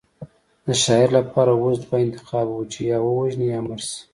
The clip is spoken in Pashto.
د شاعر لپاره اوس دوه انتخابه وو چې یا ووژني یا مړ شي